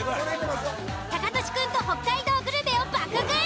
タカトシくんと北海道グルメを爆食い。